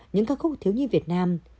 những ca khúc thiếu nhi việt nam